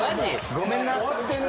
ごめんな。